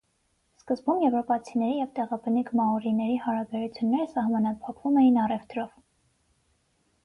Սկզբում եվրոպացիների և տեղաբնիկ մաորիների հարաբերությունները սահմանափակվում էին առևտրով։